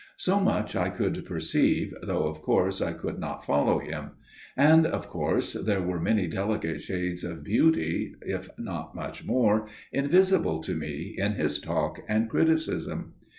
So much I could perceive, though of course I could not follow him. And of course there were many delicate shades of beauty, if not much more, invisible to me in his talk and criticism.